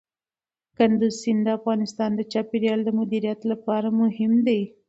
کندز سیند د افغانستان د چاپیریال د مدیریت لپاره مهم دي.